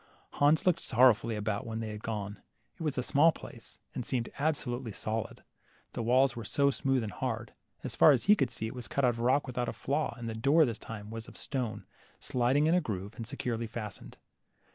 Hans looked sorrowfully about when they had gone. It was a small place, and seemed absolutely solid, the walls were so smooth and hard. As far as he could see, it was cut out of rock without a flaw, and the door this time was of stone, sliding in a groove, and securely fastened.